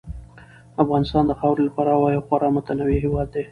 افغانستان د خاورې له پلوه یو خورا متنوع هېواد دی.